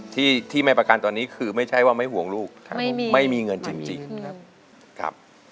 ที่ที่ไม่ประกันตอนนี้คือไม่ใช่ว่าไม่ห่วงลูกไม่มีเงินจริงครับ